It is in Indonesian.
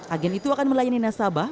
agen itu akan melayani nasabah